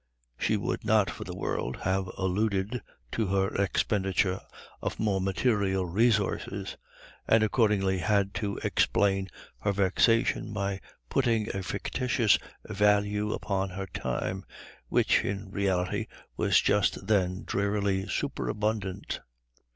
She would not for the world have alluded to her expenditure of more material resources, and accordingly had to explain her vexation by putting a fictitious value upon her time, which, in reality, was just then drearily superabundant.